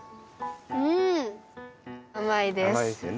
うんあまいです。